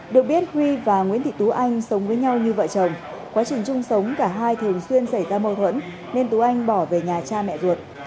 được biết huy và nguyễn thị tú anh sống với nhau như vợ chồng quá trình chung sống cả hai thường xuyên xảy ra mâu thuẫn nên tú anh bỏ về nhà cha mẹ ruột